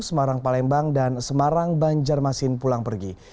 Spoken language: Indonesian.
semarang palembang dan semarang banjarmasin pulang pergi